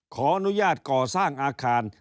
ขออนุญาตก่อสร้างอาคาร